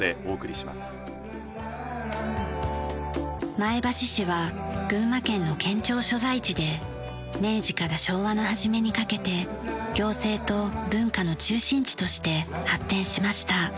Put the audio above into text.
前橋市は群馬県の県庁所在地で明治から昭和の初めにかけて行政と文化の中心地として発展しました。